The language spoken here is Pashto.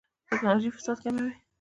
ټکنالوژي فساد کموي